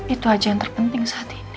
itu aja yang terpenting saat ini